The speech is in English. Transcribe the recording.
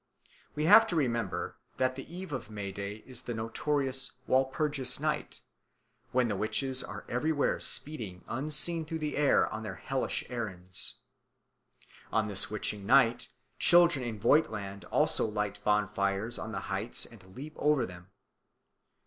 We have to remember that the eve of May Day is the notorious Walpurgis Night, when the witches are everywhere speeding unseen through the air on their hellish errands. On this witching night children in Voigtland also light bonfires on the heights and leap over them.